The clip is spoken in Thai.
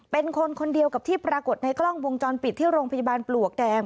เป็นคนคนเดียวกับที่ปรากฏในกล้องวงจรปิดที่โรงพยาบาลปลวกแดง